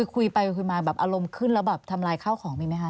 คุยไปคุยมาแบบอารมณ์ขึ้นแล้วแบบทำลายข้าวของมีไหมคะ